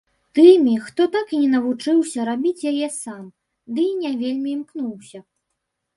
Тымі, хто так і не навучыўся рабіць яе сам, дый не вельмі імкнуўся.